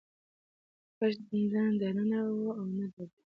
غږ نه د ننه و او نه بهر و.